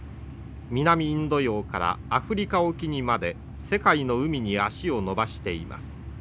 南インド洋からアフリカ沖にまで世界の海に足を延ばしています。